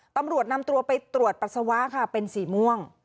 ตำรวจนำตัวไปตรวจปัสสาวะค่ะเป็นสีม่วง